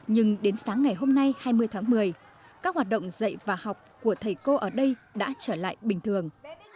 nhưng đến sáng ngày hôm nay hai mươi tháng một mươi các hoạt động dạy và học của thầy cô ở đây đã trở lại bình thường